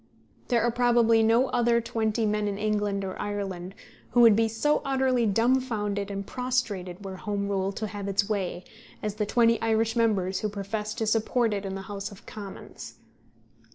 There are probably no other twenty men in England or Ireland who would be so utterly dumfounded and prostrated were Home rule to have its way as the twenty Irish members who profess to support it in the House of Commons.